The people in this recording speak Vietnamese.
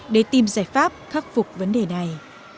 để tìm giải pháp khắc phục vấn đề này